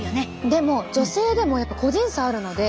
でも女性でもやっぱ個人差あるので。